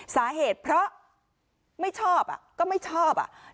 สาเหตุเพราะไม่ชอบก็ไม่ชอบอ่ะ